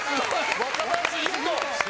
・若林ヒント！